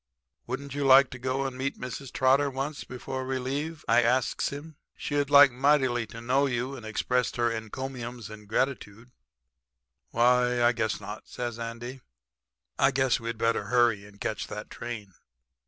"'Wouldn't you like to go down and meet Mrs. Trotter once before we leave?' I asks him. 'She'd like mightily to know you and express her encomiums and gratitude.' "'Why, I guess not,' says Andy. 'I guess we'd better hurry and catch that train.'